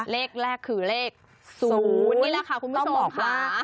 เลขแรกคือเลข๐นี่แหละค่ะคุณผู้ชมค่ะ